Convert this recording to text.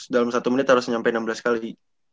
dalam satu menit harus sampai enam belas kali